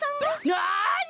なに！？